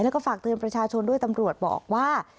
แล้วก็ฝากเตือนประชาชนด้วยตำรวจบอกว่า